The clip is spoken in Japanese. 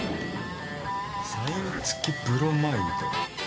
「サイン付ブロマイド」？